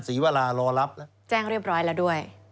ศรีวรารอรับแล้วแจ้งเรียบร้อยแล้วด้วย